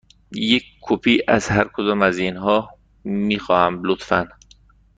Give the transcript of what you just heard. یک کپی از هر کدام از اینها می خواهم، لطفاً.